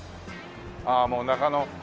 ああもう中野。